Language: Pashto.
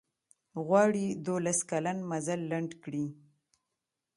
غواړي دولس کلن مزل لنډ کړي.